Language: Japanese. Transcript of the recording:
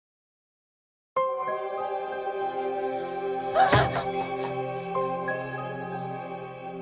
あっ！！